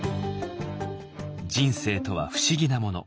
人生とは不思議なもの。